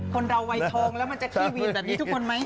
คนเราวัยทองแล้วมันจะขี้วีนแบบนี้ทุกคนไหม